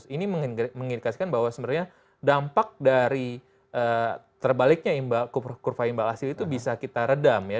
ini mengindikasikan bahwa sebenarnya dampak dari terbaliknya kurva imbal hasil itu bisa kita redam ya